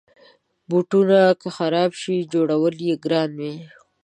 بوټونه که خراب شي، جوړول یې ګرانه وي.